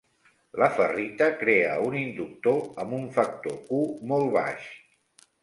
La ferrita crea un inductor amb un factor Q molt baix.